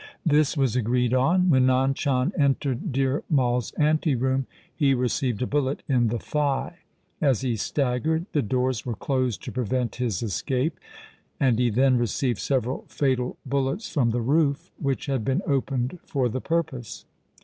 This was agreed on. When Nand Chand entered Dhir Mai's anteroom, he received a bullet in the thigh. As he staggered, the doors were closed to prevent his escape, and he then received several fatal bullets from the roof which had been opened for the purpose.